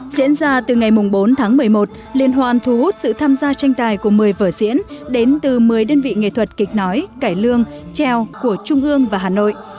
diễn ra từ ngày bốn tháng một mươi một liên hoan thu hút sự tham gia tranh tài của một mươi vở diễn đến từ một mươi đơn vị nghệ thuật kịch nói cải lương trèo của trung ương và hà nội